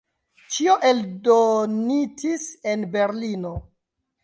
Ĉio eldonitis en Berlino.